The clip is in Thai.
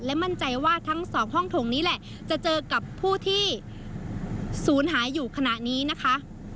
มั่นใจว่าทั้งสองห้องถงนี้แหละจะเจอกับผู้ที่ศูนย์หายอยู่ขณะนี้นะคะ